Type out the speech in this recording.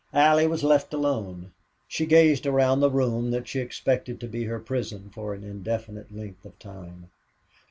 Allie was left alone. She gazed around the room that she expected to be her prison for an indefinite length of time.